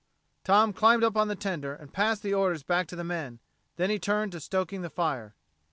Tom climbed up on the tender and passed the orders back to the men; then he turned to stoking the fire.